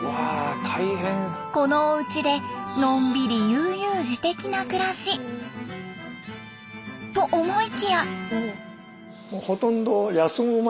このおうちでのんびり悠々自適な暮らしと思いきや。